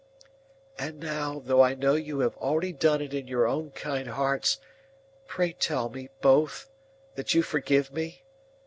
"And now, though I know you have already done it in your own kind hearts, pray tell me, both, that you forgive me!